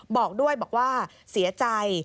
บอกด้วยบอกว่าเสียใจ